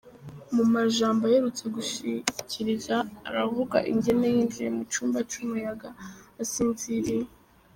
Mu majambo aherutse gushikiriza, aravuga ingene yinjiye mu cumba c'umuyaya asinziriye.